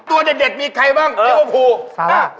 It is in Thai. ตัวเด็ดมีใครบ้างยกว่าภู